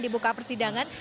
di buka persidangan